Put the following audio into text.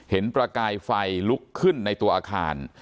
ประกายไฟลุกขึ้นในตัวอาคาร